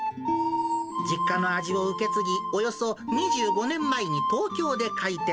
実家の味を受け継ぎ、およそ２５年前に東京で開店。